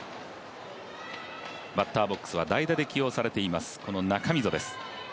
バッターボックスは代打で起用されています、中溝です。